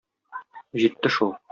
Җитте шул.